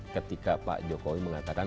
ketika pak jokowi mengatakan